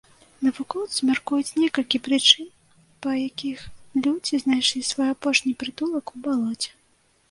Навукоўцы мяркуюць некалькі прычын, па якіх людзі знайшлі свой апошні прытулак у балоце.